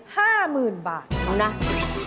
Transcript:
ห้าหมื่นบาทถูกนะครับ